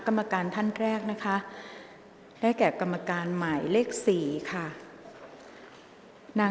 กรรมการท่านแรกนะคะได้แก่กรรมการใหม่เลขกรรมการขึ้นมาแล้วนะคะ